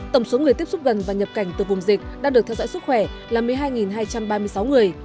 tổng số người tiếp xúc gần và nhập cảnh từ vùng dịch đang được theo dõi sức khỏe là một mươi hai hai trăm ba mươi sáu người